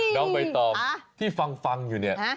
น้องใบตองที่ฟังอยู่เนี่ย